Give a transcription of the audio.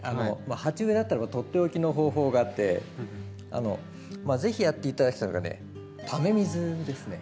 鉢植えだったらば取って置きの方法があって是非やって頂きたいのがねため水ですね。